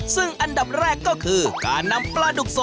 ซึ่งอันดับแรกก็คือการนำปลาดุกสด